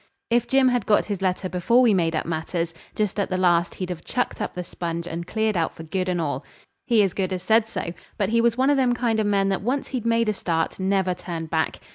If Jim had got his letter before we made up matters, just at the last he'd have chucked up the sponge and cleared out for good and all. He as good as said so; but he was one of them kind of men that once he'd made a start never turned back.